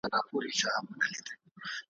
دا یوه وینا یې څو ځله پېچله `